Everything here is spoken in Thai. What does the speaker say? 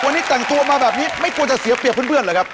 วันนี้แต่งตัวมาแบบนี้ไม่ควรจะเสียเปรียบเพื่อนเหรอครับ